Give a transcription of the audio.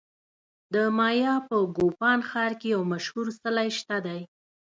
د مایا په کوپان ښار کې یو مشهور څلی شته دی